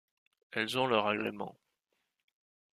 Elles ont leur agrément.